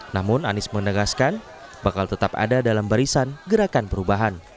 namun anies menegaskan bakal tetap ada dalam barisan gerakan perubahan